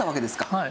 はい。